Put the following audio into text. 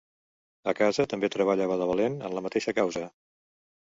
A casa també treballava de valent en la mateixa causa.